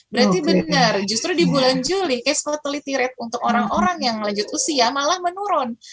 berarti benar justru di bulan juli cash fatality rate untuk orang orang yang lanjut usia malah menurun